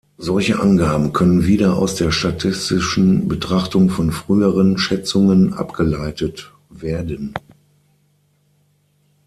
Solche Angaben können wieder aus der statistischen Betrachtung von früheren Schätzungen abgeleitet werden.